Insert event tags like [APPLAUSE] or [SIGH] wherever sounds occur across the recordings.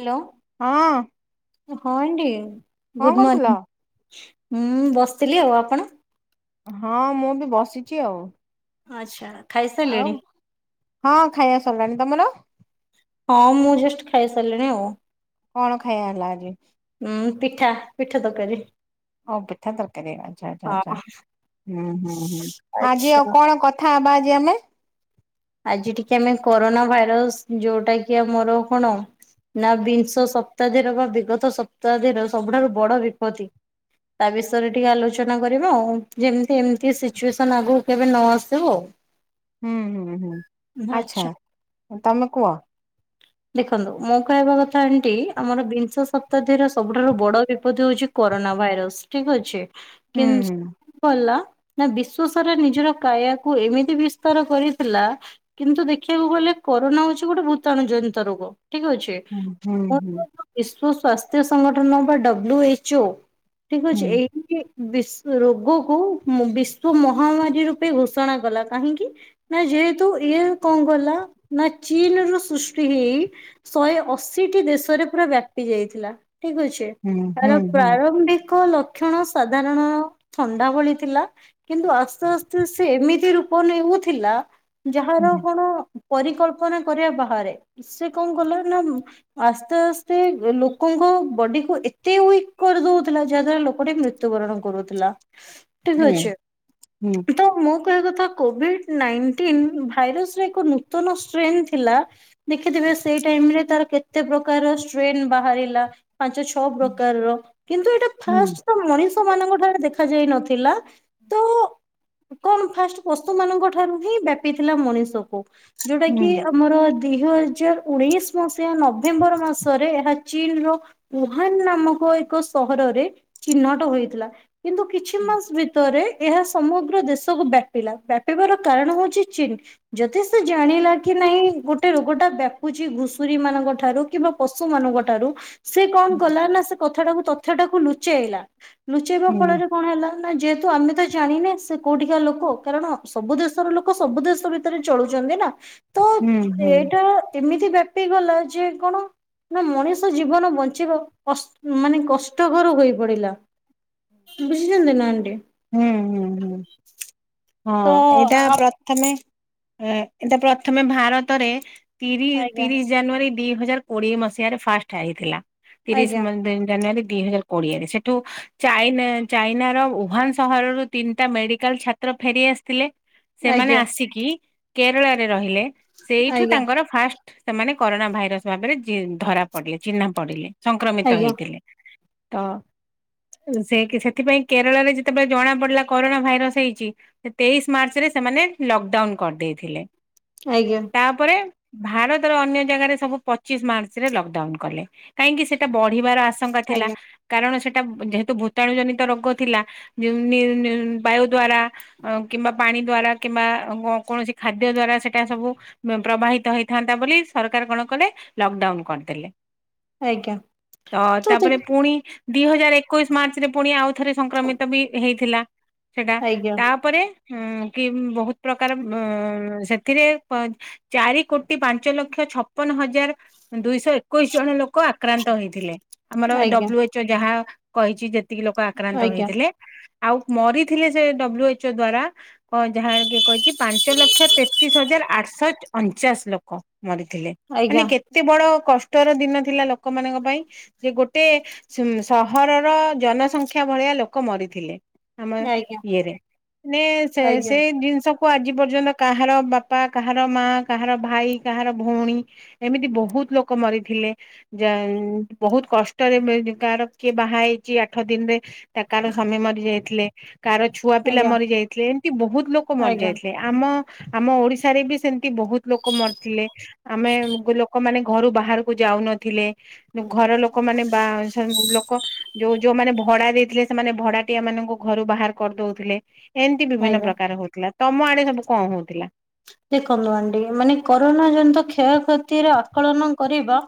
Hello ହଁ ହଁ aunty କଣ ଗୁଡ କରୁଥିଲ? ମର୍ଣିଂ ମୁଁ ବସିଥିଲି ଆଉ ଆପଣ ହଁ ମୁଁ ବି ବସିଛି ଆଉ ଆଚ୍ଛା ଆଉ ଖାଇସାରିଲେଣି? ହଁ ଖାଇବା ସରିଲାଣି ତମର ହଁ ମୁଁ ଜଷ୍ଟ ଖାଇସାରିଲିଣି ଆଉ କଣ ଖାଇବା ହେଲା ଆଜି? ହୁଁ ପିଠା ପିଠା ତରକାରୀ ହଉ ପିଠା ତରକାରୀ ଆଛା ଆ୍ଛା ହଁ। ଆଛା ହ ହଁ ଆଜି ଆଉ ଆଚ୍ଛା କଣ କ ଥା ବାଜି ଆମେ? ଆଜି ଟିକେ ଆମେ କରୋନା ଭାଇରସ ଯୋଉଟା କି ଆମର କଣ? ନା ବିଂଶ ସପ୍ତାଦର ବା ବିଗତ ସପ୍ତାର ସବୁଠାରୁ ବଡ ବିପତ୍ତି। ତା ବିଷୟରେ ଟିକେ ଆଲୋଚନା କରିବା ଆଉ ଯେମିତି ଏମିତି ସିଚୁଏସନ ଆଗକୁ କେବେ ନ ଆସିବ ଆଉ। ହୁଁ ହୁଁ ହୁଁ ଆଚ୍ଛା ତମେ କୁହ। [INAUDIBLE] ଦେଖନ୍ତୁ ମୁଁ କହିବା କଥା ଏଣତି ଆମର ବିଂଶ ଶତାବ୍ଦୀର ସବୁଠାରୁ ବଡ ବିପଦ ହଉଛି କରୋନା ଭାଇରସ ଠିକ ଅଛି। ହୁଁ କିନ୍ତ ଗଲା ନା ବିଶ୍ଵସାରା ନିଜର କାୟାକୁ ଏମିତି ବିସ୍ତାର କରି ଥିଲା କିନ୍ତୁ ଦେଖିବାକୁ ଗଲେ କରୋନା ହଉଛି ଗୋଟେ ଭୂତାଣୁ ଜନିତ ରୋଗ ଠିକ ଅଛି। ହୁଁ ହୁଁ ହୁଁ। ବିଶଵ ସ୍ୱାସ୍ଥ୍ୟ ସଂଗଠନ ବା ଡବ୍ଲୁ ଏଚ ଓ ଠିକ ହୁଁ ଅଛି ଏଇ ବିଶ ରୋଗକୁ ବିଶ୍ଵ ମହାମାରୀ ରୂପେ ଘୋଷଣା କଲା କାହିଁକି? ନା ଯେହେତୁ ଇଏ କଣ ଗଲା ନା ଚୀନ ରୁ ସୃଷ୍ଟି ହେଇ ଶହେ ଅଶିଟି ଦେଶରେ ପୁରା ବ୍ୟାପି ଯାଇଥିଲା ଠିକ ଅଛି। ହୁଁ ହୁଁ ତାର ହୁଁ। ପ୍ରାରମ୍ଭିକ ଲକ୍ଷଣ ସାଧାରଣ ଥଣ୍ଡା ଭଳି ଥିଲା। କିନ୍ତୁ ଆସ୍ତେ ଆସ୍ତେ ସେ ଏମିତି ରୂପ ନେଉଥିଲା ଯାହାର ହୁଁ କଣ ପରିକଳ୍ପନା କରିବା ବାହାରେ ସେ କଣ ଗଲା ନା ଆସ୍ତେ ଆସ୍ତେ ଲୋକଙ୍କ ବଡି କୁ ଏତେ ୱିକ କରିଦଉଥିଲା ଯାହାଦ୍ଵାରା ଲୋକଟେ ମୃତ୍ୟୁ ମୃତ୍ୟୁବରଣ କରୁଥିଲା। ହୁଁ ଠିକ ହୁଁ ଅଛି ହୁଁ। ତ ମୁଁ କହିବା କଥା କୋଭିଡ ନାଇ ଭାଇରସ ର ଏକ ନୂତନ ଷ୍ଟ୍ରେନ୍ ଥିଲା। ଦେଖିଥିବେ ସେଇ ଟାଇମ ରେ ତାର କେତେ ପ୍ରକାର ଷ୍ଟ୍ରେନ ବାହାରିଲା ପାଞ୍ଚ ସବୁ ପ୍ରକାରର କିନ୍ତୁ ଏଇଟା ହୁଁ ଫାଷ୍ଟ ମଣିଷ ମାନଙ୍କ ଠାରେ ଦେଖା ଯାଇ ନଥିଲା ତ କଣ ଫାଷ୍ଟ ପଶୁ ମାନଙ୍କ ଠାରୁ ହିଁ ବ୍ୟାପିଥିଲା ମଣିଷକୁ ଯୋଉଟା ହୁଁ କି ଆମର ଦିଇ ହଜାର ଉଣେଇଶ ସି ନଭେମ୍ବର ମାସରେ ଏହା ଚୀନ ର ଉହାନ ନାମକ ଏକ ସହରରେ ଚିହ୍ନଟ ହୋଇଥିଲା। କିନ୍ତୁ କିଛି ମାସ ଭିତରେ ଏହା ସମଗ୍ର ଦେଶକୁ ବ୍ୟାପିଲା ବ୍ୟାପିବାର କାରଣ ହଉଛି ଯଥେଷ୍ଟ ଜାଣିଲା କି ନାଇଁ ଗୋଟେ ରୋଗ ଟା ବ୍ୟାପୁଛି ଘୁଷୁରୀ ମାନଙ୍କ ଠାରୁ କିମ୍ବା ପଶୁ ମାନଙ୍କ ଠାରୁ ସେ କଣ ହୁଁ କଲା ନା ସେ କଥାଟାକୁ ତଥ୍ୟ ଟାକୁ ଲୁଚେଇଲା ଲୁଚେଇବା ଫଳରେ ହୁଁ କଣ ହେଲା ନା ଯେହେତୁ ଆମେ ତ ଜାଣିନେ ସେ କୋଉଠିକା ଲୋକ କାରଣ ସବୁ ଦେଶର ଲୋକ ସବୁ ଦେଶ ଭିତରେ ଚଳୁଛନ୍ତି ନା ତ ହୁଁ ହୁଁ ଏଇଟା ଏମିତି ବ ପି ଗଲା ଯେ କଣ ନା ମଣିଷ ଜୀବନ ବଞ୍ଚିବା ମାନେ କଷ୍ଟକର ହୋଇ ପଡିଲା। ବୁଝିଛନ୍ତି ନା ଆଣ୍ଟି ହୁଁ ହୁଁ ହୁଁ ତ ହଁ ଏଇଟା ଆପ ପ୍ର ପ୍ରଥମେ ଏଟ ପ୍ରଥମେ ଭାରତରେ ତିରିଶ ଆଜ୍ଞା ତିରିଶ ଜାନୁଆରୀ ଦି ହଜାର କୋଡିଏ ମସିହା ରେ ଫାଷ୍ଟ ହୋଇଥିଲା ତିରିଶ ଆଜ୍ଞା ମ ଜାନୁଆରୀ ଦି ହଜାର କୋଡିଆରେ ସେଠୁ ଚାଇନା ଚାଇନାର ଉଭା ସହରରୁ ତିନିଟା ମେଡିକାଲ ଛାତ୍ର ଫେରି ଆସିଥିଲେ ସେମାନେ ଆଜ୍ଞା ଆସିକି କେରଳରେ ରହିଲେ ସେଇଠୁ ଆଜ୍ଞା ତାଙ୍କର ଫାଷ୍ଟ ସେମାନେ କରୋନା ଭାଇରସ ଭାବରେ ଧରା ପଡିଲେ ଚିହ୍ନା ପଡିଲେ ସଂକ୍ରମିତ ଆଜ୍ଞା ହେଇଥିଲେ। ତ ସେ ସେଥିପାଇଁ କେରଳରେ କେତେବେଳେ ଜଣା ପଡିଲା କରୋନା ଭାଇରସ ହେଇଛି ସେ ତେଇଶ ମାର୍ଚ୍ଚ ରେ ସେମାନେ ଲକଡାଉନ କରିଦେଇଥିଲେ। ଆଜ୍ଞା। ତାପରେ ଭାରତର ଅନ୍ୟ ଜାଗାରେ ସବୁ ପଚିଶ ମାର୍ଚ୍ଚ ରେ ଲକଡାଉନ କଲେ। କାହିଁକି ସେଟା ବଢିବାର ଆଶଙ୍କା ଥିଲା ଆଜ୍ଞା କାରଣ ସେଟା ଯେହେତୁ ଭୂତାଣୁ ଜନିତ ରୋଗ ଥିଲା। ଯେଉଁ ନେଉ ନେଉ ବାୟୁ ଦ୍ଵାରା। ଅ କିମ୍ବା ପାଣି ଦ୍ଵାରା କିମ୍ବା କୌଣସି ଖାଦ୍ୟ ଦ୍ଵାରା ସେଟା ସବୁ। ପ୍ରବାହିତ ହେଇଥାନ୍ତା ବୋଲି ସରକାର କଣ କଲେ ଲକଡାଉନ କରିଦେଲେ। ଆଜ୍ଞା ତ ତାପରେ ପୁଣି। ଦିଇ ହଜାର ଏକୋଇଶ ମାର୍ଚ୍ଚରେ ପୁଣି ଆଉ ଥରେ ସଂକ୍ରମିତ ବି ହେଇଥିଲା ସେଟା ଆଜ୍ଞା ତାପରେ। ହୁଁ କି ବହୁତ ପ୍ରକାର ବ ସେଥିରେ। ଚାରି କୋଟି ପାଞ୍ଚ ଲକ୍ଷ ଛପନ ହଜାର। ଦୁଇଶହ ଏକୋଇଶି ଜଣ ଲୋକ ଆକ୍ରାନ୍ତ ହେଇଥିଲେ। ଆମର ଆଜ୍ଞା ଡବ୍ଲୁ ଏଚ୍ ଓ ଯାହା କହିଛି ଯେତିକି ଲୋକ ଆକ୍ରାନ୍ତ ଆଜ୍ଞା ହେଇଥିଲେ। ଆଉ ମରିଥିଲେ ସେ ଡବ୍ଲୁ ଏଚ୍ ଓ ଦ୍ଵାରା କ ଯାହା କିଏ କହିଛି। ପାଞ୍ଚ ଲକ୍ଷ ତେତିଶ ହଜାର ଆଠଶହ ଅଣଚାଶ ଲୋକ ମରିଥିଲେ ମାନେ ଆଜ୍ଞା କେ ଏତେ ବଡ କଷ୍ଟର ଦିନ ଥିଲା ଲୋକମାନଙ୍କ ପାଇଁ। ଯେ ଗୋଟେ ସିମ ସହରର ଜନସଂଖ୍ୟା ଭଳିଆ ଲୋକ ମରି ଥିଲେ ଆମ ଆଜ୍ଞା ଇଏରେ ମାନେ ସେ ଆଜ୍ଞା ସେ ଜିନିଷ। କୁ ଆଜି ପର୍ଯ୍ୟନ୍ତ କାହାର ବାପା କାହାର ମା କାହାର ଭାଇ କାହାର ଭଉଣୀ। ଏମିତି ବହୁତ ଲୋକ ମରିଥିଲେ। ଯା ବହୁତ କଷ୍ଟରେ ମେନ କାହାର କିଏ ବାହା ହେଇଛି ଆଠ ଦିନରେ ତା କାର ସ୍ବାମୀ ମରି ଯାଇଥିଲେ, କାହାର ଛୁଆ ପିଲା ମରି ଆଜ୍ଞା ଯାଇଥିଲେ, ଏମତି ବହୁତ ଲୋକ ଆଜ୍ଞା ଆଜ୍ଞା ମରିଯାଇଥିଲେ। ଆମ ଆମ ଓଡିଶାରେ ବି ସେମିତି ବହୁତ ଲୋକ ମରିଥିଲେ। ଆମେ ଲୋକମାନେ ଘରୁ ବାହାରକୁ ଯାଉନଥିଲେ। ଘର ଲୋକମାନେ ବା ସନ ଲୋକ ଯୋଉ ଯୋଉମାନେ ଭଡା ଦେଇଥିଲେ ସେମାନେ। ଭଡାଟିଆ ମାନଙ୍କୁ ଘରୁ ବାହାର କରିଦଉଥିଲେ ଏମତି ବିଭିନ୍ନ ଆଜ୍ଞା ପ୍ରକାର ହଉଥିଲା। ତମ ଆଡେ ସବୁ କଣ ହଉଥିଲା। ଦେଖନ୍ତୁ ଆଣ୍ଟି ମାନେ କରୋନା ଜନିତ କ୍ଷୟକ୍ଷତିର ଆକଳନ କରିବା।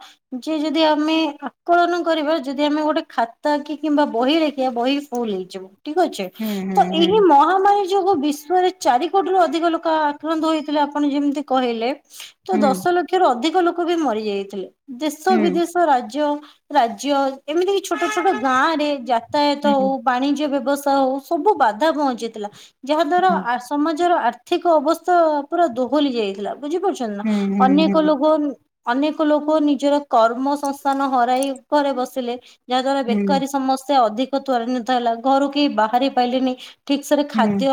ଯେ ଯଦି ଆମେ ଆକଳନ କରିବା ଯଦି ଆମେ ଗୋଟେ ଖାତା କି କିମ୍ବା ବହି ଲେଖିବା ବହିସ ଫୁଲ ହେଇଯିବ ଠିକ ଅଛି। ହୁଁ ତ ହୁଁ ଏହି ମହାମାରୀ ଯୋଗୁ ବିଶ୍ଵରେ ଚାରି କୋଟି ରୁ ଅଧିକ ଲୋକ ଆକ୍ରାନ୍ତ ହୋଇଥିଲେ ଆପଣ ଯେମିତି କହିଲେ ତ ହୁଁ ଦଶ ଲକ୍ଷରୁ ଅଧିକ ଲୋକ ବି ମରିଯାଇଥିଲେ। ଦେଶ ହୁଁ ବିଦେଶ ରାଜ୍ୟ ରାଜ୍ୟ ଏମିତି କି ଛୋଟ ଛୋଟ ଗାଁ ରେ ଜା ଯାତାୟତ ହଉ, ବାଣିଜ୍ୟ ବ୍ୟବସ୍ଥା ହଉ, ସବୁ ବାଧା ପହଞ୍ଚିଥିଲା ଯାହା ଦ୍ଵାରା। ହୁଁ ସମାଜର ଆର୍ଥିକ ଅବସ୍ଥା ପୁରା ଦୋହଲି ଯାଇଥିଲା ବୁଝିପାରୁଛନ୍ତି ନା ହୁଁ ଅନେକ ଲୋକ। ଅନେକ ଲୋକ ନିଜର କର୍ମ ସଂସ୍ଥାନ ହରାଇ ଘରେ ବସିଲେ। ଯାହା ଦ୍ଵାରା ହୁଁ ହୁଁ ବେକାରୀ ସମସ୍ୟା ଅଧିକ ତ୍ୱରାନ୍ୱିତ ହେଲା ଘରୁ କେହି ବାହାରି ପାଇଲେନି। ଠିକ୍ ସେ ବି ହୁଁ ହୁଁ ହୁଁ ଖାଦ୍ୟ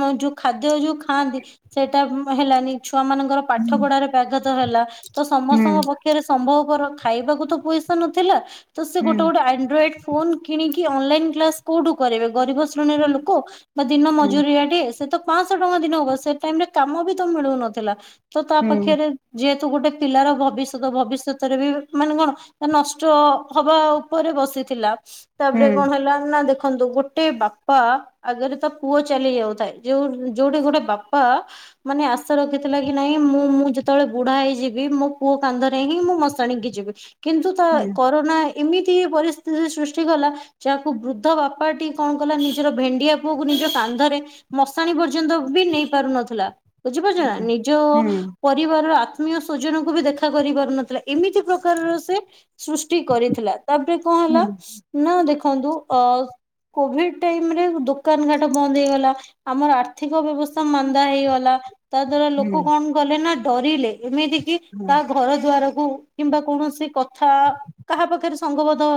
ମା ଯୋଉ ଖାଦ୍ୟ ଯୋଉ ଖାଆନ୍ତି ସେଇଟା ହେଲାନି ଛୁଆ ମାନଙ୍କର। ପାଠ ପଢାରେ ବ୍ୟାଘାତ ହେଲା ତ ହୁଁ ସମସ୍ତଙ୍କ ପାଖରେ ସମ୍ଭବପର ଖାଇବାକୁ ତ ପଇସା ନଥିଲା ତ ସେ ଗୋଟେ ହୁଁ ଗୋଟେ ଆଣ୍ଡ୍ରଏଡ ଫୋନ୍ କିଣିକି ଅନଲାଇନ କ୍ଲାସ କୋଉଠୁ କରିବେ ଗରିବ ଶ୍ରେଣୀର ଲୋକ। ବା ଦିନ ହୁଁ ମଜୁରିଆ ଟେ ସେ ତ ପାଁଆଶ ଟଙ୍କା ଦିନକ ସେ ଟାଇମ ରେ କାମ ବି ତ ମିଳୁନଥିଲା। ତ ତା ହୁଁ ହୁଁ ପାଖରେ ଯେହେତୁ ଗୋଟେ ପିଲାର ଭବିଷ୍ୟତ ଭବିଷ୍ୟତରେ ବି ମାନେ କଣ। ନଷ୍ଟ ହବା ଉପରେ ବସିଥିଲା। ତାପରେ ହୁଁ କଣ ହେଲା ନା ଦେଖନ୍ତୁ ଗୋଟେ। ଗୋଟେ ବାପା ଆଗରେ ତା ପୁଅ ଚାଲି ଯାଉଥାଏ ଯୋଉ ଯୋଉଠି ଗୋଟେ ବାପା। ମାନେ ଆଶା ରଖିଥିଲା କି ନାଇଁ ମୁଁ ମୁଁ ଯେତେବେଳେ ବୁଢା ହେଇଯିବି ମୋ ପୁଅ କାନ୍ଧରେ ହିଁ ମୁଁ ମଶାଣିକି ଯିବି। କିନ୍ତୁ ତା ହୁଁ ହୁଁ ହୁଁ ହୁଁ ହୁଁ ହୁଁ କରୋନା ଏମିତି ପରିସ୍ଥିତି ସୃଷ୍ଟି କଲା। ଯାହାକୁ ବୃଦ୍ଧ ବାପାଟି କଣ କଲା ନିଜର ଭେଣ୍ଡିଆ ପୁଅକୁ ନିଜ କାନ୍ଧରେ। ମଶାଣି ପର୍ଯ୍ୟନ୍ତ ବି ନେଇ ପାରୁ ନଥିଲା ବୁଝିପାରୁଛ ନା ହୁଁ ନିଜ ହୁଁ ପରିବାର ର ଆତ୍ମୀୟ ସ୍ୱଜନକୁ ବି ଦେଖା କରି ପାରୁନଥିଲା। ଏମିତି ପ୍ରକାରର ସେ ସୃଷ୍ଟି କରିଥିଲା ତାପରେ କଣ ହେଲା ନା ଦେଖ ଦେଖନ୍ତୁ ଅ କୋଭିଡ ଟାଇମ ରେ ଦୋକାନ ଘାଟ ବନ୍ଦ ହେଇଗଲା, ଆମର ଆର୍ଥିକ ବ୍ୟବସ୍ଥା ମାନ୍ଦା ହେଇଗଲା, ତା ଦ୍ୱାରା ଲୋକ କଣ କଲେ ନା ଡରିଲେ, ଏମିତି କି ହୁଁ ତା ଘର ଦୁଆରକୁ କିମ୍ବା କୌଣସି କଥା କାହା ପାଖରେ ସଙ୍ଗବଧ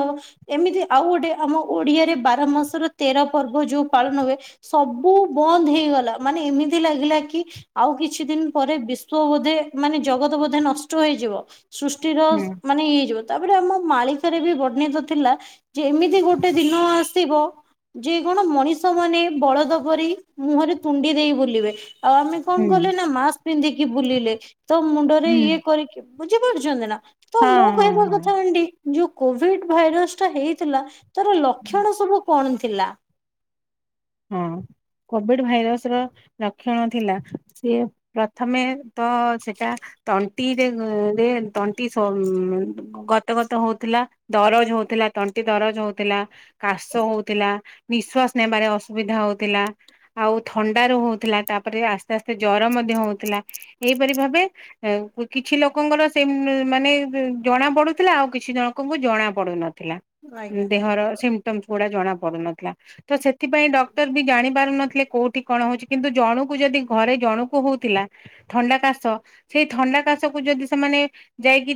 ଏମିତି ଆଉ ଗୋଟେ ଆମ ଓଡିଆରେ ବାର ମାସର ତେର ପର୍ବ ଯୋଉ ପାଳନ ହୁଏ। ସବୁ ବନ୍ଦ ହେଇଗଲା ମାନେ ଏମିତି ଲାଗିଲା କି ଆଉ କିଛି ଦିନ ପରେ ବିଶ୍ଵ ବୋଧେ ମାନେ ଜଗତ ବୋଧେ ନଷ୍ଟ ହେଇଯିବ। ସୃଷ୍ଟିର ହଁ ମାନେ ଇଏ ହେଇଯିବ। ତାପରେ ଆମ ମାଳିକାରେ ବି ବର୍ଣିତ ଥିଲା ଯେ ଏମିତି ଗୋଟେ ଦିନ ଆସିବ ଯେ କଣ ମଣିଷ ମାନେ ବଳଦ ପରି ମୁହଁରେ ତୁଣ୍ଡି ଦେଇ ବୁଲିବେ ଆଉ ଆମେ କଣ କଲେ ନା ମାସ୍କ ପିନ୍ଧିକି ବୁଲିଲେ, ତ ମୁଣ୍ଡରେ ଇଏ କରିକି ବୁଝିପାରୁଛନ୍ତି ନା ତ ମୁଁ ହଁ କହିବା କଥା ହଁ। ଆଣ୍ଡି ଯୋଉ କୋଭିଡ ଭାଇରସ ଟା ହେଇଥିଲା ତାର ଲକ୍ଷଣ ସବୁ କଣ ଥିଲା? ହଁ କୋଭିଡ ଭାଇରସ ର ଲକ୍ଷଣ ଥିଲା ସିଏ ପ୍ରଥମେ ତ ସେଟା ତଣ୍ଟିରେରେ ତଣ୍ଟି ଗତ ଗତ ହଉଥିଲା, ଦରଜ ହଉଥିଲା ତଣ୍ଟି ଦରଜ ହଉଥିଲା। କାଶ ହଉଥିଲା, ନିଶ୍ଵାସ ନେବାରେ ଅସୁବିଧା ହଉଥିଲା। ଆଉ ଥଣ୍ଡା ର ହଉଥିଲା, ତାପରେ ଆସ୍ତେ ଆସ୍ତେ ଜର ମଧ୍ୟ ହଉଥିଲା, ଏହିଇପରି ଭାବେ କିଛି ଲୋକଙ୍କର ସେ ମାନେ ଜଣା ପଡୁଥିଲା, ଆଉ କିଛି ଜଣକଙ୍କୁ ଜଣା ପଡୁନଥିଲା। ଆଜ୍ଞା ଦେହର ସିମଟମସ ଗୁଡା ଜଣା ପଡୁନଥିଲା, ତ ସେଥିପାଇଁ ଡକ୍ଟର ବି ଜାଣି ପାରୁନଥିଲେ କୋଉଠି କଣ ହଉଛି, କିନ୍ତୁ ଜଣକୁ ଯଦି ଘରେ ଜଣକୁ ହଉଥିଲା। ଥଣ୍ଡାକାଶ, ସେଇ ଥଣ୍ଡା କାଶ କୁ ଯଦି ସେମାନେ ଯାଇକି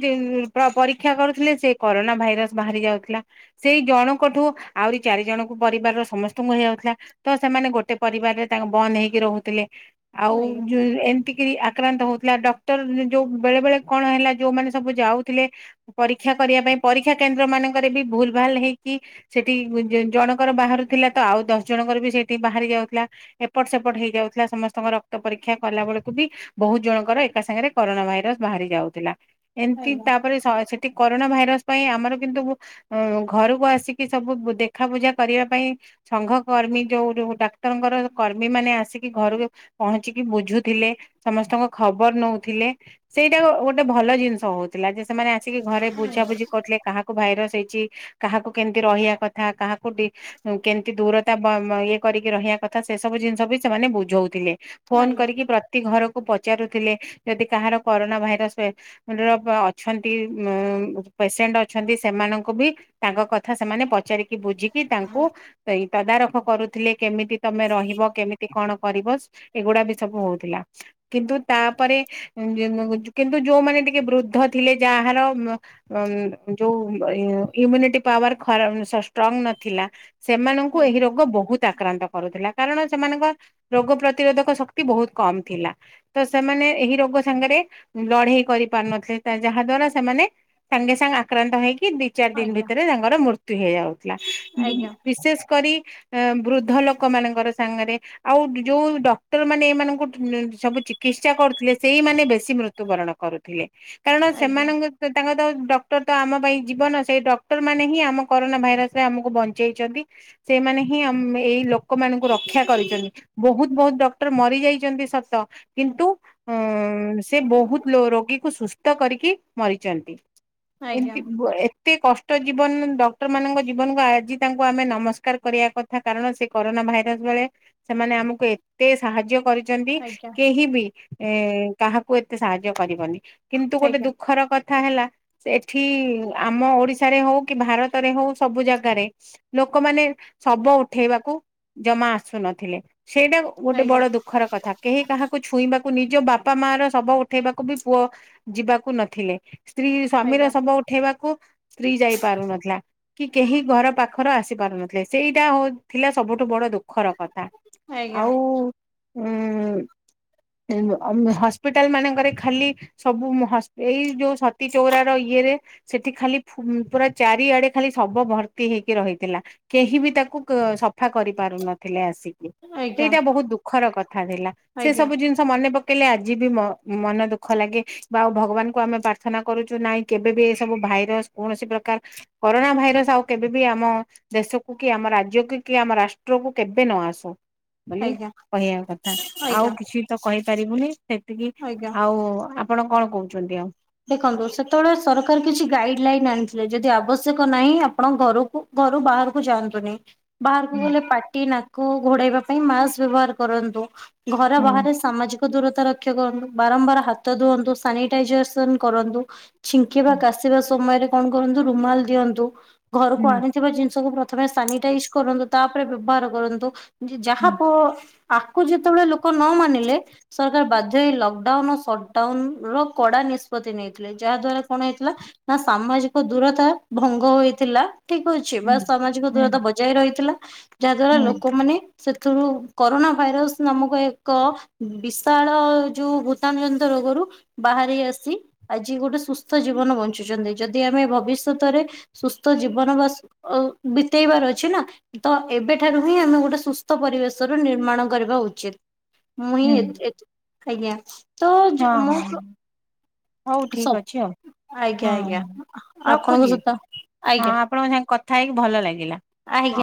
ପରୀକ୍ଷା କରୁଥିଲେ, ସେ କରୋନା ଭାଇରସ ବାହାରି ଯାଉଥିଲା। ସେଇ ଜଣଙ୍କଠୁ ଆହୁରି ଚାରି ଜଣଙ୍କୁ ପରିବାରର ସମସ୍ତଙ୍କୁ ହେଇଯାଉଥିଲା। ତ ସେମାନେ ଗୋଟେ ପରିବାରରେ ତାଙ୍କ ବନ୍ଦ ହେଇକି ରହୁଥିଲେ ଆଉଉ ଆଜ୍ଞା ଯୋଉ ଏମିତି ଆକ୍ରାନ୍ତ ହଉଥିଲା, ଡକ୍ଟର ଯୋଉ ବେଳେ ବେଳେ କଣ ହେଲା ଯୋଉମାନେ ସବୁ ଯାଉଥିଲେ। ପରୀକ୍ଷା କରିବା ପାଇଁ, ପରୀକ୍ଷା କେନ୍ଦ୍ର ମାନଙ୍କରେ ବି ଭୁଲ ଭାଲ ହେଇକି ସେଠି ଜଣଙ୍କର ବାହାରୁଥିଲା ତ, ଆଉ ଦଶ ଜଣଙ୍କର ବି ସେଠି ବାହାରି ଯାଉଥିଲା। ଏପଟ ସେପଟ ହେଇଯାଉଥିଲା ସମସ୍ତଙ୍କ ରକ୍ତ ପରୀକ୍ଷା କଲା ବେଳକୁ ବି ବହୁତ ଜଣଙ୍କର ଏକା ସାଙ୍ଗରେ କରୋନା ଭାଇରସ ବାହାରି ଯାଉଥିଲା, ଏମିତି ତାପରେ ଶହେ ସେ କରୋନା ଭାଇରସ ପାଇଁ ଆମର କିନ୍ତୁ ଅ ଘରକୁ ଆସିକି ସବୁ ଦେଖା ବୁଝା କରିବା ପାଇଁ ସଂଘ କର୍ମୀ ଯୋଉ ଯଉ ଡାକ୍ତରଙ୍କର କର୍ମୀ ମାନେ ଆସ ଆସିକି ଘରୁ ପହଞ୍ଚିକି ବୁଝୁଥିଲେ, ସମସ୍ତଙ୍କ ଖବର ନଉଥିଲେ, ସେଇ ଏଟା ଗୋଟେ ଭଲ ଜିନିଷ ହଉଥିଲା ଯେ ସେମାନେ ଆସିକି ଘରେ ବୁଝା ବୁଝି କଥିଲେ କାହାକୁ ଭାଇରସ ହେଇଛି, କାହାକୁ କେମିତି ରହିବା କଥା, କାହାକୁ କେମତି ଦୂର ତା ଇଏ କରିକି ରହିବା କଥା ସେ ସବୁ ଜିନିଷ ବି ସେମାନେ ବୁଝଉଥିଲେ ଫୋନ ଆଜ୍ଞା କରିକି ଘରକୁ ପଚାରୁଥିଲେ ଯଦି କାହାର କରୋନା ଭାଇରସ ର ଅଛନ୍ତି, ଉ ପେସେଣ୍ଟ ଅଛନ୍ତି, ସେମାନଙ୍କୁ ବି ତାଙ୍କ କଥା ସେମାନେ ପଚାରିକି ବୁଝିକି ତାଙ୍କୁ ତଦାରଖ କରୁଥିଲେ କେମିତି ତମେ ରହିବ? କେମିତି କଣ? କରିବ? ଏଗୁଡା ବି ସବୁ ହଉଥିଲା କିନ୍ତୁ ତାପରେ କିନ୍ତୁ ଯୋଉମାନେ ଟିକେ ବୃଦ୍ଧ ଥିଲେ ଯାହାର ଯୋଉ ଇମ୍ୟୁନିଟି ପାୱାର ଷ୍ଟ୍ରଙ୍ଗ ନଥିଲା, ସେମାନେ ଏହି ଆଜ୍ଞା ରୋଗ ବହୁତ ଆକ୍ରାନ୍ତ କରୁଥିଲା କାରଣ ସେମାନଙ୍କ ରୋଗ ପ୍ରତିରୋଧକ ଶକ୍ତି ବହୁତ କମ ଥିଲା ତ ସେମାନେ ଏହି ରୋଗ ସାଙ୍ଗରେ ଲଢେଇ କରିପାରୁନଥିଲେ, ଯାହା ଦ୍ଵାରା ସେମାନେ ସାଙ୍ଗେ ସାଙ୍ଗେ ଆକ୍ରାନ୍ତ ହେଇକି ଦି ଚାରି ଦିନ ଆଜ୍ଞା ଭିତରେ ତାଙ୍କର ମୃତ୍ୟୁ ହେଇଯାଉଥିଲା, ଆଜ୍ଞା ବିଶେଷ କରି ବୃଦ୍ଧ ଲୋକ ମାନଙ୍କର ସାଙ୍ଗରେ ଆଉ ଯୋଉ ଡକ୍ଟର ମାନେ ଏମାନଙ୍କୁ ସବୁ ଚିକିତ୍ସା କରୁଥିଲେ ସେଇମାନେ ବେଶୀ ମୃତ୍ୟୁବରଣ କରୁ ଥିଲେ କାରଣ ଆଜ୍ଞା ସେମାନଙ୍କ ତାଙ୍କ ତ ଡକ୍ଟର ତ ଆମ ପାଇଁ ଜିବନ ସେଇ ଡକ୍ଟର ମାନେ ହିଁ ଆମ କରୋନା ଭାଇରସ ରେ ଆମକୁ ବଞ୍ଚେଇଛନ୍ତି। ସେଇମାନେ ହିଁ ଏଇ ଲୋକମାନଙ୍କୁ ରକ୍ଷା କରିଛନ୍ତି। ବହୁତ ବହୁତ ଡକ୍ଟର ମରିଯାଇଛନ୍ତି ସତ କିନ୍ତୁ ଅ ସେ ବହୁତ ରୋଗୀକୁ ସୁସ୍ଥ କରିକି ମରିଛନ୍ତି ଏମ ଆଜ୍ଞା ଏତେ କଷ୍ଟ ଜୀବନ ଡକ୍ଟର ମାନଙ୍କ ଜୀବନକୁ ଆଜି ତାଙ୍କୁ ଆମେ ନମସ୍ କାର କରିବା କଥା କାରଣ ସେ କରୋନା ଭାଇରସ ବେଳେ ସେମାନେ ଆମକୁ ଏତେ ସାହାଯ୍ୟ କରି ଦେଇଛନ୍ତି ଆଜ୍ଞା କେହି ବି ଏ କାହାକୁ ଏତେ ସାହାଯ୍ୟ କରିବନି କିନ୍ତୁ ଗୋଟେ ଦୁଃ ଘର କଥା ହେଲା ସେଠି ଆମ ଓଡିଶାରେ ହଉ କି ଭାରତରେ ହଉ ସବୁ ଜାଗାରେ ଲୋକମାନେ ଶବ ଉଠେଇବାକୁ ଜମା ଆସୁନଥିଲେ ସେଇଟା ଆଜ୍ଞା ଗୋଟେ ବଡ ଆଜ୍ଞା ଦୁଃଖର କଥା। କେହି କାହାକୁ ଛୁଇଁବାକୁ ନିଜ ବାପା ମା ର ଶବ ଉଠେଇବାକୁ ବି ପୁଅ ଯିବାକୁ ନଥିଲେ ସ୍ତ୍ରୀ ସ୍ୱାମୀର ଆଜ୍ଞା ଶବ ଉଠେଇବାକୁ ସ୍ତ୍ରୀ ଯାଇ ପାରୁନଥିଲା କି କେହି ଘର ପାଖର ଆସି ପାରୁନଥିଲେ ସେଇଟା ହ ଥିଲା ସବୁଠୁ ବଡ ଦୁଃଖର କଥା ଆଜ୍ଞା ଆଜ୍ଞା ଆଉ ଉଁ ହସ୍ପିଟାଲ ମାନଙ୍କରେ ଖାଲି ସବୁ ମ ହ ଏଇ ଯୋଉ ସତୀ ଚଉରା ର ଇଏରେ ସେଠି ଖାଲି ଉଁ ପୁରା ଚାରିଆଡେ ଖାଲି ଶବ ଭର୍ତ୍ତି ହେଇକି ରହିଥିଲା କେହି ବି ତାକୁ କ ସ ଦେଖା କରି ପାରୁ ନଥିଲେ ଆସିକି ଆଜ୍ଞା ସେଇଟା ବହୁତ ଦୁଃଖର କଥା ଥିଲା ସେ ଆଜ୍ଞା ସବୁ ଜିନିଷ ମନେ ପକେଇଲେ ଆଜି ବି ମନ ଦୁଃଖ ଲାଗେ। ବା ଆଉ ଭଗବାନଙ୍କୁ ଆମେ ପ୍ରାର୍ଥନା କରୁଛୁ ନାଇଁ କେବେ ବି ଏ ସବୁ ଭାଇରସ କୌଣସି ପ୍ରକାର କରୋନା ଭାଇରସ ଆଉ କେବେ ବି ଆମ ଦେଶକୁ କି ଆମ ରାଜ୍ୟକୁ କି ଆମ ରାଷ୍ଟ୍ରକୁ କେବେ ନ ଆସୁ ବୋଲି ଆଜ୍ଞା କହିବା କଥା ଆଜ୍ଞା ଆଉ କିଛି ତ କହିପାରିବୁନି ସେତିକି ଆଜ୍ଞା ଆଉ ଆପଣ କଣ କହୁଛନ୍ତି ଆଉ ଦେଖନ୍ତୁ ସେତେବେଳେ ସରକାର କିଛି ଗାଇଡ୍ ଲାଇନ ଆଣିଥିଲେ ଯଦି ଆବଶ୍ୟକ ନାହିଁ ଆପଣ ଘରକୁ ଘରୁ ବାହାରକୁ ଯାଆନ୍ତୁନି। ବାହାରକୁ ହୁଁ ଗଲେ ପାଟି ନାକ ଘୋଡେଇବା ପାଇଁ ମାସ୍କ ବ୍ୟବହାର କରନ୍ତୁ। ଘର ହୁଁ ବାହାରେ ସାମାଜିକ ଦୂରତା ରକ୍ଷା କରନ୍ତୁ, ବାରମ୍ବାର ହାତ ଧୁଅନ୍ତୁ, ସାନିଟାଇଜର କରୁନ୍ତୁ ଛିଙ୍କିବା ହୁଁ କାଶିବା ସମୟରେ କଣ କରନ୍ତୁ ରୁମାଲ ଦିଅନ୍ତୁ ଘରକୁ ହୁଁ ଆଣି ଥିବା ଜିନିଷକୁ ପ୍ରଥମେ ସାନିଟାଇଜ କରନ୍ତୁ ତାପରେ ବ୍ୟବହାର କରନ୍ତୁ ଯାହା ପ ହୁଁ ଆକୁ ଯେତେବେଳେ ଲୋକ ନ ମାନିଲେ ସରକାର ବାଧ୍ୟ ହେଇ ଲକଡାଉନ, ସଟ୍ଡାଉନ୍ ର କଡା ନିଶ୍ ଷ୍ପତି ନେଇଥିଲେ। ଯାହା ଦ୍ଵାରା କଣ ହେଇଥିଲା ନା ସାମାଜିକ ଦୂରତା ଭଙ୍ଗ ହେଇଥିଲା ଠିକ ଅଛି ଛି ବା ସାମାଜିକ ହୁଁ ଦୂରତା ବଜାୟ ରହିଥିଲା ଯାହା ଦ୍ଵାରା ହୁଁ ଲୋକମାନେ ସେଥିରୁ କରୋନା ଭାଇରସ ନାମକ ଏକ ବିଶାଳ ଯୋଉ ଭୂତାଣୁ ଜନିତ ରୋଗରୁ ବାହାରି ଆସି ଆଜି ଗୋଟେ ସୁସ୍ଥ ଜୀବନ ବଞ୍ଚୁଛନ୍ତି ଯଦି ଆମେ ଭବିଷ୍ୟତରେ ସୁସ୍ଥ ଜୀବନ ବା ବାସ ବିତେଇବାର ଅଛି ନା ତ ଏବେଠାରୁ ହିଁ ଆମେ ଗୋଟେ ସୁସ୍ଥ ପରିବେଶ ର ନିର୍ମାଣ କରିବା ଉଚିତ୍। ମୁଁ ହିଁ ଏ ହଁ ଏ ଆଜ୍ଞା ତ ଯ ମୁଁ ହଁ ହଉ ଠିକ ସ ଅଛି ଆଉ ଆଜ୍ଞା ହଁ ଆଜ୍ଞା ହଁ। ଆପଣଙ୍କ ରଖୁଛି ସହିତ ହଁ ଆଜ୍ଞା ଆପଣଙ୍କ ସାଙ୍ଗେ କଥା ହେଇକି ଭଲ ଲାଗିଲା। ଆଜ୍ଞା! ହଁ।